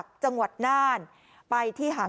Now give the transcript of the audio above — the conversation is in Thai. กลุ่มตัวเชียงใหม่